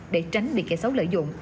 để tránh bị kẻ xấu lợi dụng